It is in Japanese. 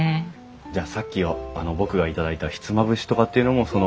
じゃあさっき僕が頂いたひつまぶしとかっていうのもその。